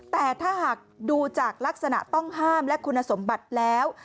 แต่ถ้าหากดูจากลักษณะต้องห้ามและคุณสมบัติแล้ว